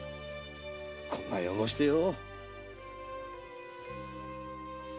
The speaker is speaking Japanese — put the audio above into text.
こんなに汚してよ。